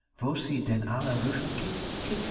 Wo sie denn alle rufen kick! kick!